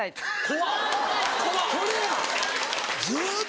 怖っ！